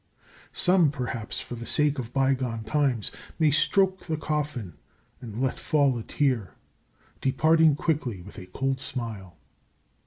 Some, perhaps, for the sake of bygone times, may stroke the coffin and let fall a tear, departing quickly with a cold smile.